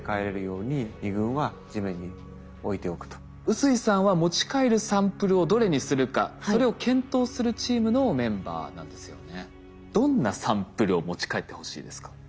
臼井さんは持ち帰るサンプルをどれにするかそれを検討するチームのメンバーなんですよね。